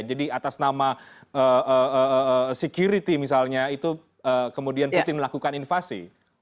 jadi atas nama security misalnya itu kemudian putin melakukan invasi